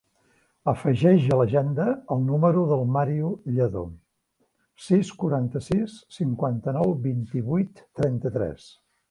Afegeix a l'agenda el número del Mario Lledo: sis, quaranta-sis, cinquanta-nou, vint-i-vuit, trenta-tres.